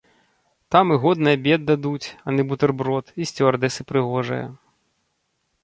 Там і годны абед дадуць, а не бутэрброд, і сцюардэсы прыгожыя.